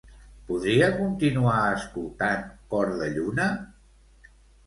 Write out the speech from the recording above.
Podria continuar escoltant "Cordelluna"?